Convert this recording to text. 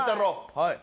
はい。